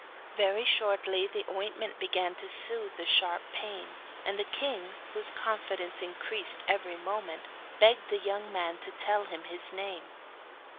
Very shortly the ointment began to soothe the sharp pain, and the king, whose confidence increased every moment, begged the young man to tell him his name.